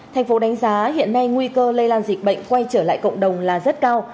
thành phố đánh giá hiện nay nguy cơ lây lan dịch bệnh quay trở lại cộng đồng là rất cao